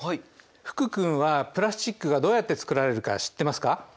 福君はプラスチックがどうやってつくられるか知ってますか？